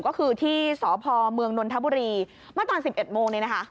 ก็คือที่สพมนทะบุรีมาตอน๑๑โมงนี้นะคะ